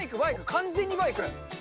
完全にバイクだ。